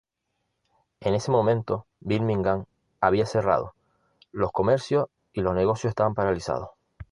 En ese momento, Birmingham había cerrado: los comercios y los negocios estaban paralizados.